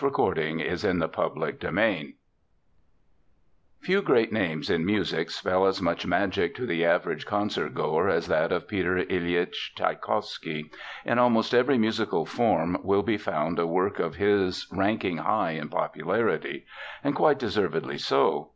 Tschaikowsky AND HIS ORCHESTRAL MUSIC Few great names in music spell as much magic to the average concert goer as that of Peter Ilyitch Tschaikowsky. In almost every musical form will be found a work of his ranking high in popularity. And quite deservedly so.